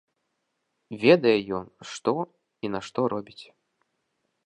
Ведае ён, што і нашто робіць.